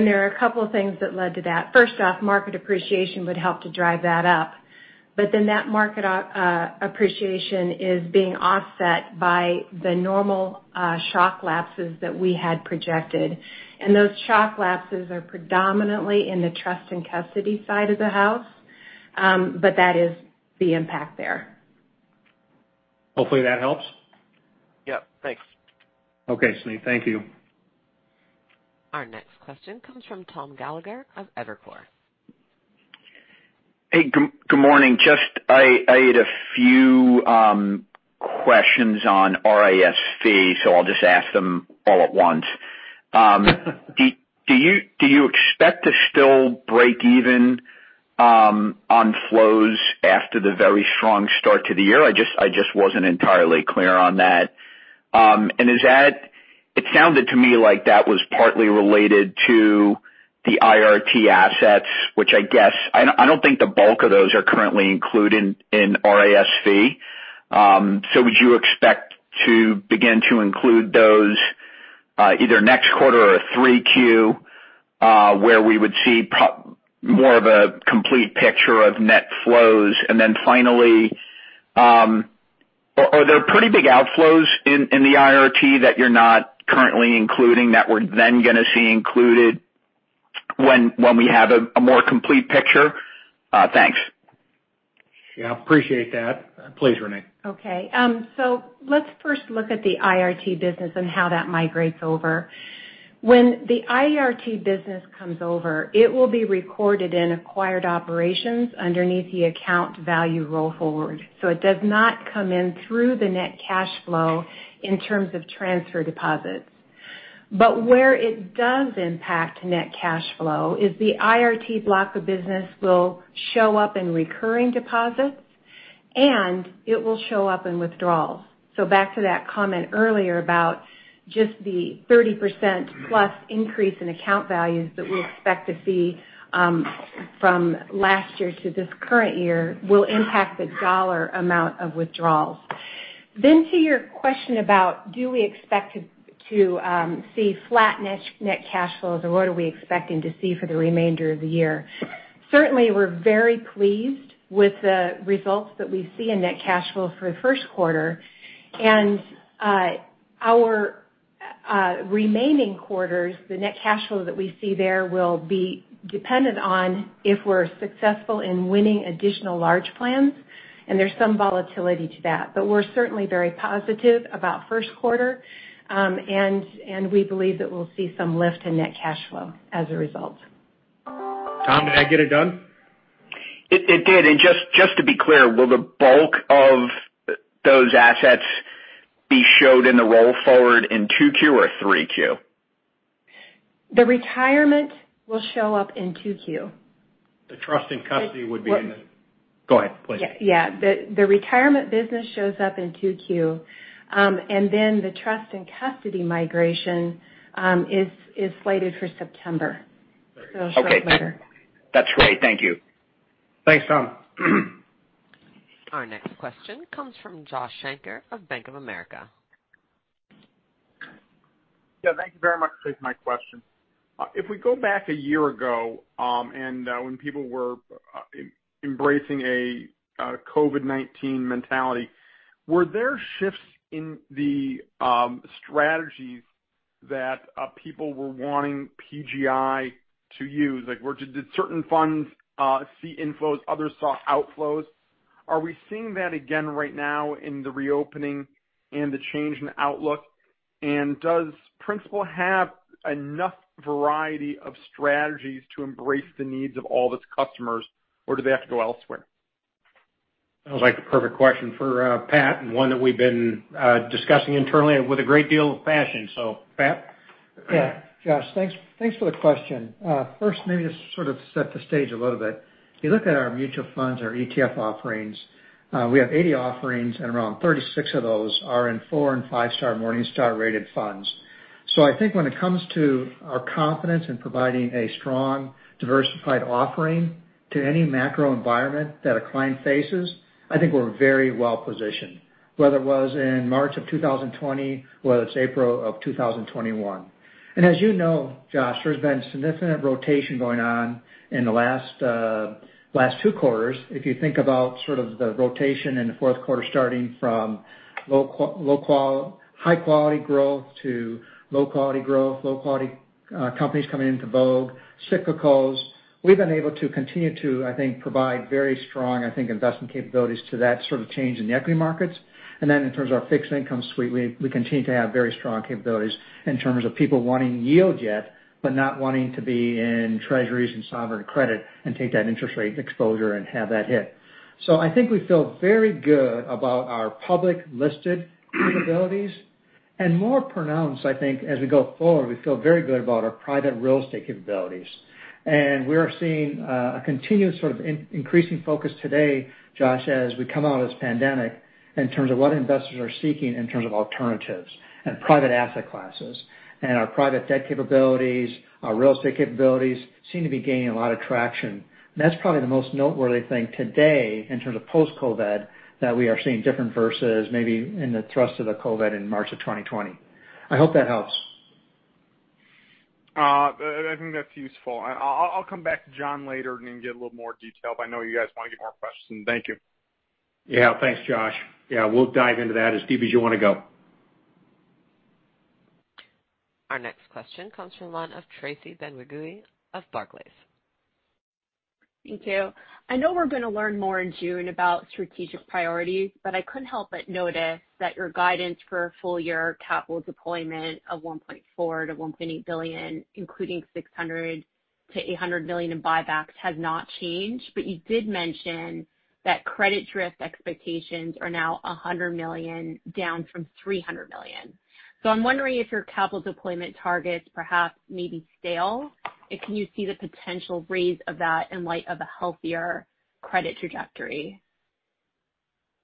There are a couple of things that led to that. First off, market appreciation would help to drive that up. That market appreciation is being offset by the normal shock lapses that we had projected. Those shock lapses are predominantly in the trust and custody side of the house. That is the impact there. Hopefully that helps. Yeah. Thanks. Okay, Suneet. Thank you. Our next question comes from Tom Gallagher of Evercore. Hey, good morning. Just I had a few questions on RASV. I'll just ask them all at once. Do you expect to still break even on flows after the very strong start to the year? I just wasn't entirely clear on that. It sounded to me like that was partly related to the IRT assets, which I don't think the bulk of those are currently included in RASV. Would you expect to begin to include those either next quarter or Q3, where we would see more of a complete picture of net flows? Finally, are there pretty big outflows in the IRT that you're not currently including that we're then going to see included when we have a more complete picture? Thanks. Yeah, appreciate that. Please, Renee. Let's first look at the IRT business and how that migrates over. When the IRT business comes over, it will be recorded in acquired operations underneath the account value roll forward. It does not come in through the net cash flow in terms of transfer deposits. Where it does impact net cash flow is the IRT block of business will show up in recurring deposits, and it will show up in withdrawals. Back to that comment earlier about just the 30% plus increase in account values that we expect to see from last year to this current year will impact the dollar amount of withdrawals. To your question about do we expect to see flat net cash flows or what are we expecting to see for the remainder of the year? Certainly, we're very pleased with the results that we see in net cash flow for the first quarter. Our remaining quarters, the net cash flow that we see there will be dependent on if we're successful in winning additional large plans, and there's some volatility to that. We're certainly very positive about first quarter, and we believe that we'll see some lift in net cash flow as a result. Tom, did I get it done? It did. Just to be clear, will the bulk of those assets be showed in the roll forward in Q2 or Q3? The retirement will show up in Q2. Go ahead, please. Yeah. The retirement business shows up in Q2, and then the trust and custody migration is slated for September. It'll show up later. Okay. That's great. Thank you. Thanks, Tom. Our next question comes from Josh Shanker of Bank of America. Yeah, thank you very much. Please my question. If we go back a year ago, when people were embracing a COVID-19 mentality, were there shifts in the strategies that people were wanting PGI to use? Did certain funds see inflows, others saw outflows? Are we seeing that again right now in the reopening and the change in outlook? Does Principal have enough variety of strategies to embrace the needs of all of its customers, or do they have to go elsewhere? Sounds like the perfect question for Pat and one that we've been discussing internally with a great deal of passion. Pat? Josh, thanks for the question. First, maybe to sort of set the stage a little bit. If you look at our Principal Mutual Funds, our ETF offerings, we have 80 offerings, and around 36 of those are in four and five-star Morningstar rated funds. I think when it comes to our confidence in providing a strong, diversified offering to any macro environment that a client faces, I think we're very well-positioned, whether it was in March of 2020, whether it's April of 2021. As you know, Josh, there's been significant rotation going on in the last two quarters. If you think about sort of the rotation in the fourth quarter, starting from high-quality growth to low-quality growth, low-quality companies coming into vogue, cyclicals. We've been able to continue to, I think, provide very strong, I think, investment capabilities to that sort of change in the equity markets. In terms of our fixed income suite, we continue to have very strong capabilities in terms of people wanting yield yet, but not wanting to be in Treasuries and sovereign credit and take that interest rate exposure and have that hit. I think we feel very good about our public listed capabilities. More pronounced, I think, as we go forward, we feel very good about our private real estate capabilities. We are seeing a continued sort of increasing focus today, Josh, as we come out of this pandemic in terms of what investors are seeking in terms of alternatives and private asset classes. Our private debt capabilities, our real estate capabilities seem to be gaining a lot of traction. That's probably the most noteworthy thing today in terms of post-COVID that we are seeing different versus maybe in the thrust of the COVID in March of 2020. I hope that helps. I think that's useful. I'll come back to John later and then get a little more detail, but I know you guys want to get more questions in. Thank you. Thanks, Josh. We'll dive into that as deep as you want to go. Our next question comes from the line of Tracy Benguigui of Barclays. Thank you. I know we're going to learn more in June about strategic priorities, but I couldn't help but notice that your guidance for full year capital deployment of $1.4 billion-$1.8 billion, including $600 million-$800 million in buybacks has not changed. You did mention that credit drift expectations are now $100 million, down from $300 million. I'm wondering if your capital deployment targets perhaps maybe stale, and can you see the potential raise of that in light of a healthier credit trajectory?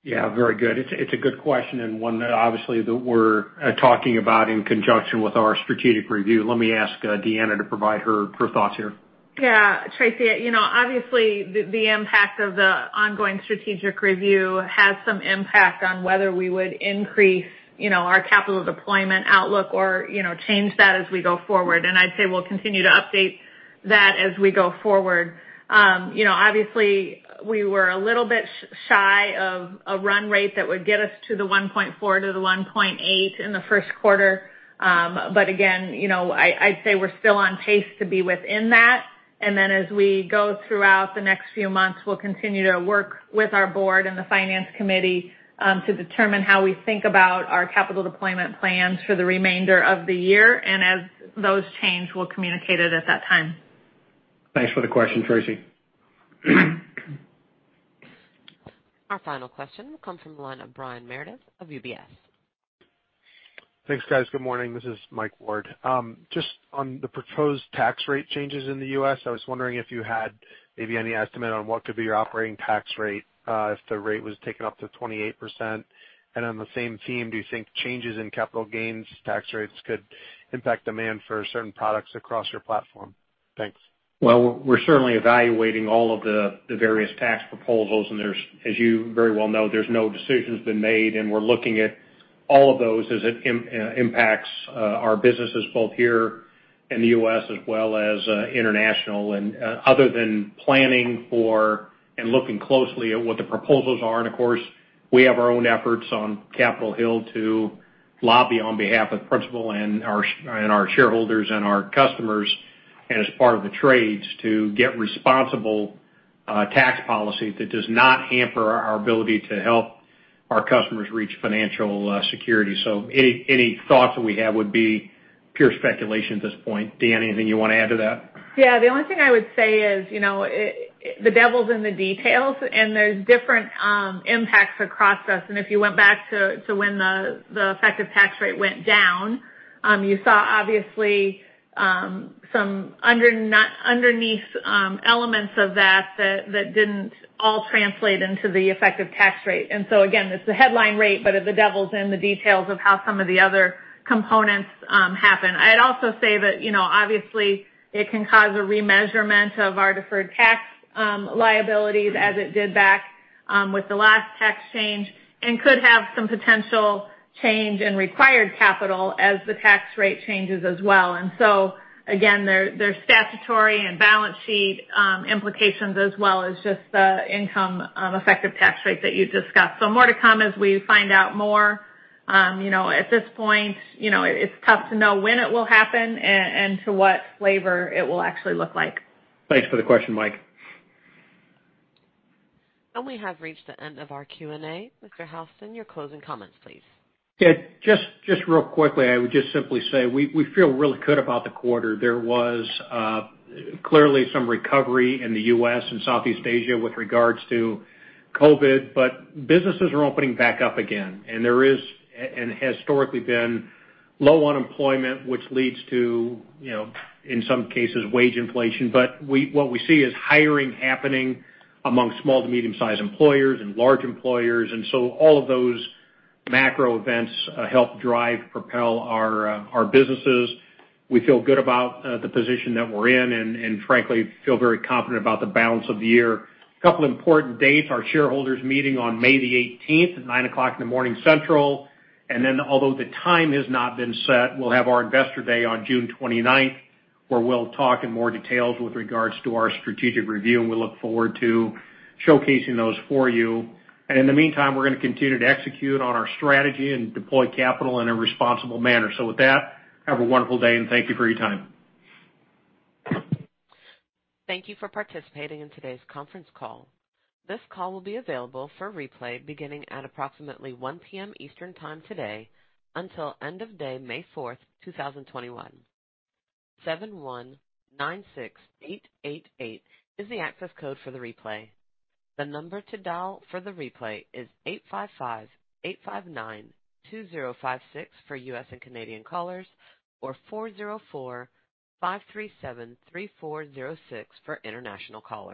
Yeah, very good. It's a good question and one that obviously that we're talking about in conjunction with our strategic review. Let me ask Deanna to provide her thoughts here. Yeah. Tracy, obviously, the impact of the ongoing strategic review has some impact on whether we would increase our capital deployment outlook or change that as we go forward. I'd say we'll continue to update that as we go forward. Obviously, we were a little bit shy of a run rate that would get us to the $1.4 to the $1.8 in the first quarter. Again, I'd say we're still on pace to be within that. As we go throughout the next few months, we'll continue to work with our board and the finance committee to determine how we think about our capital deployment plans for the remainder of the year. As those change, we'll communicate it at that time. Thanks for the question, Tracy. Our final question will come from the line of Brian Meredith of UBS. Thanks, guys. Good morning. This is Mike Ward. On the proposed tax rate changes in the U.S., I was wondering if you had maybe any estimate on what could be your operating tax rate, if the rate was taken up to 28%. On the same theme, do you think changes in capital gains tax rates could impact demand for certain products across your platform? Thanks. We're certainly evaluating all of the various tax proposals, as you very well know, there's no decisions been made, and we're looking at all of those as it impacts our businesses both here in the U.S. as well as international. Other than planning for and looking closely at what the proposals are, of course, we have our own efforts on Capitol Hill to lobby on behalf of Principal and our shareholders and our customers and as part of the trades to get responsible tax policy that does not hamper our ability to help our customers reach financial security. Any thoughts that we have would be pure speculation at this point. Deanna, anything you want to add to that? The only thing I would say is, the devil's in the details. There's different impacts across us. If you went back to when the effective tax rate went down, you saw obviously some underneath elements of that that didn't all translate into the effective tax rate. Again, it's the headline rate, but the devil's in the details of how some of the other components happen. I'd also say that obviously it can cause a remeasurement of our deferred tax liabilities as it did back with the last tax change and could have some potential change in required capital as the tax rate changes as well. Again, there's statutory and balance sheet implications as well as just the income effective tax rate that you discussed. More to come as we find out more. At this point, it's tough to know when it will happen and to what flavor it will actually look like. Thanks for the question, Mike. We have reached the end of our Q&A. Mr. Houston, your closing comments, please. Yeah, just real quickly, I would just simply say we feel really good about the quarter. There was clearly some recovery in the U.S. and Southeast Asia with regards to COVID, but businesses are opening back up again, and there is, and historically been low unemployment, which leads to, in some cases, wage inflation. What we see is hiring happening among small to medium-sized employers and large employers. All of those macro events help drive, propel our businesses. We feel good about the position that we're in and frankly, feel very confident about the balance of the year. A couple important dates, our shareholders meeting on May the 18th at 9:00 A.M., Central. Although the time has not been set, we'll have our investor day on June 29th, where we'll talk in more details with regards to our strategic review, and we look forward to showcasing those for you. In the meantime, we're going to continue to execute on our strategy and deploy capital in a responsible manner. With that, have a wonderful day, and thank you for your time. Thank you for participating in today's conference call. This call will be available for replay beginning at approximately one PM Eastern Time today until end of day May 4th, 2021. 7196888 is the access code for the replay. The number to dial for the replay is 855-859-2056 for U.S. and Canadian callers or 404-537-3406 for international callers.